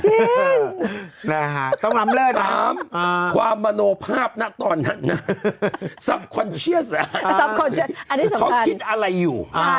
จริงต้องลำเลิกนะสามความมโนภาพนักตอนนั้นคิดอะไรอยู่